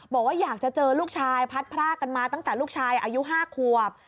บอกว่าอยากจะเจอลูกชายพัดพรากกันมาตั้งแต่ลูกชายอายุ๕ขวบ